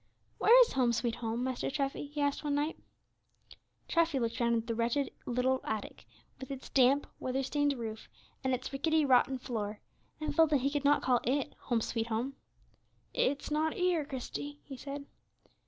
"Where is 'Home, sweet Home,' Master Treffy?" he asked one night. Treffy looked round the wretched little attic, with its damp, weather stained roof, and its rickety rotten floor, and felt that he could not call it "Home, sweet Home." "It's not here, Christie," he said.